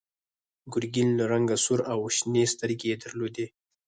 ګرګین له رنګه سور و او شنې سترګې یې درلودې.